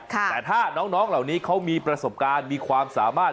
แต่ถ้าน้องเหล่านี้เขามีประสบการณ์มีความสามารถ